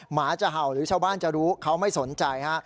หมาจะเห่าหรือชาวบ้านจะรู้เขาไม่สนใจฮะ